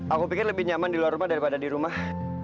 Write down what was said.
aku pikir lebih nyaman di luar rumah daripada di rumah